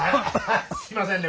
すいませんね